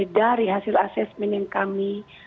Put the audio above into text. dari hasil asesmen yang kami